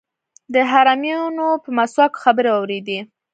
د حرمینو پر ماسکو خبرې واورېدې.